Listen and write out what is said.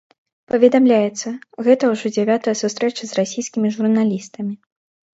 Паведамляецца, гэта ўжо дзявятая сустрэча з расійскімі журналістамі.